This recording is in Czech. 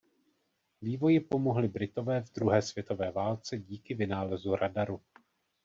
Vývoji pomohli Britové v druhé světové válce díky vynálezu radaru.